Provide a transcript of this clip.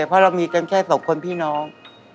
เพราะเรามีกันแค่สองคนพี่น้อง